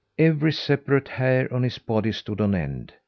Every separate hair on his body stood on end.